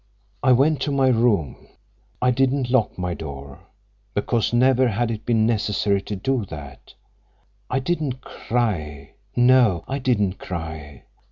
"I went to my room. I didn't lock my door, because never had it been necessary to do that. I didn't cry. No, I didn't cry.